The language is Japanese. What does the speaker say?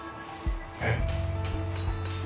えっ。